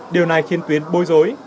điều này khiến tuyến bối rối